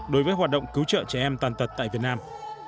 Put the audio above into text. đối với hoạt động cứu trợ trẻ em tàn tật tại việt nam